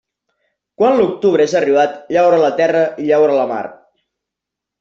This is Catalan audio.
Quan l'octubre és arribat, llaura la terra i llaura la mar.